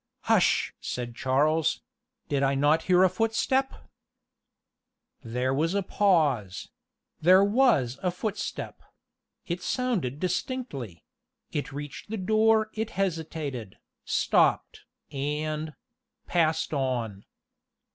"Hush!" said Charles; "did I not hear a footstep?" There was a pause there was a footstep it sounded distinctly it reached the door it hesitated, stopped, and passed on.